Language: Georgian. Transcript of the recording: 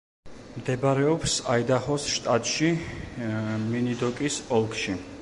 მდებარეობს აიდაჰოს შტატში, მინიდოკის ოლქში.